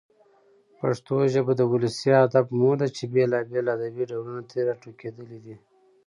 پښتو ژبه د ولسي ادب مور ده چي بېلابېل ادبي ډولونه ترې راټوکېدلي دي.